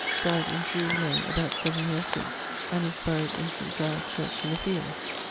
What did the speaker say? dyed in Drury lane about 7 yeares since and is buried in St. Giles's Church in the fields.